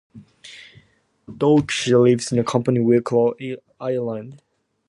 Dorcey lives in Company Wicklow, Ireland.